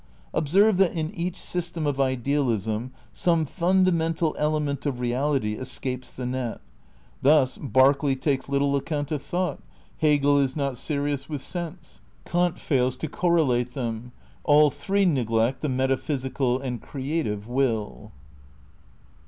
Observe that in each system of Idealism some funda mental element of reality escapes the net. Thus Berke ley takes little account of thought, Hegel is not serious I THE CRITICAL PREPAEATIONS 5 with sense; Kant fails to correlate them: all three neglect the metaphysical and creative will.